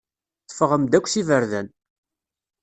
Teffɣem-d akk s iberdan.